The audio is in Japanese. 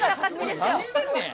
何してんねん。